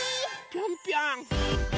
ぴょんぴょん！